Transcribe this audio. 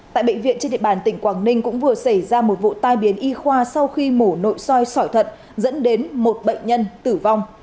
tại bệnh viện trên địa bàn tỉnh quảng ninh cũng vừa xảy ra một vụ tai biến y khoa sau khi mổ nội soi sỏi thận dẫn đến một bệnh nhân tử vong